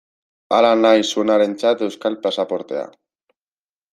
Hala nahi zuenarentzat euskal pasaportea.